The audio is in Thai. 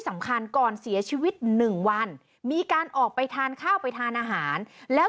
สำคัญก่อนเสียชีวิตหนึ่งวันมีการออกไปทานข้าวไปทานอาหารแล้ว